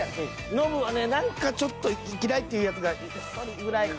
ノブはね何かちょっと嫌いっていうやつが１人ぐらい。